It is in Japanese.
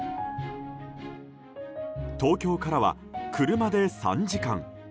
東京からは車で３時間。